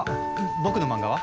僕の漫画は？